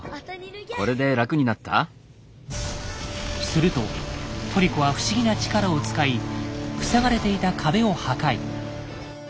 するとトリコは不思議な力を使い塞がれていた壁を破壊。